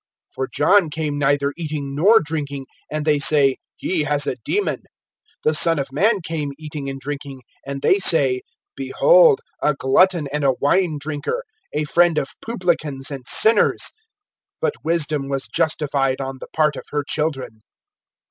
(18)For John came neither eating nor drinking, and they say: He has a demon. (19)The Son of man came eating and drinking, and they say: Behold a glutton and a wine drinker, a friend of publicans and sinners. But wisdom was justified on the part of her children.